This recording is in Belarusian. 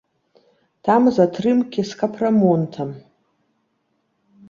Там затрымкі з капрамонтам.